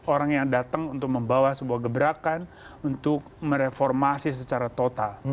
orang yang datang untuk membawa sebuah gebrakan untuk mereformasi secara total